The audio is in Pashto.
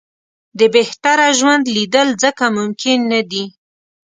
د بهتره ژوند لېدل ځکه ممکن نه دي.